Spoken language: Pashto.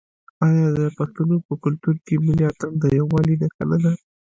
آیا د پښتنو په کلتور کې ملي اتن د یووالي نښه نه ده؟